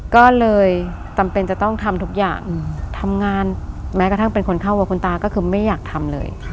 ก็เลยจำเป็นจะต้องทำทุกอย่างทำงานแม้กระทั่งเป็นคนเข้ากับคุณตาก็คือไม่อยากทำเลย